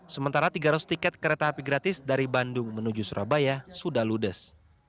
sementara tiga ratus tiket kereta api gratis dari bandung menuju surabaya sudah ludes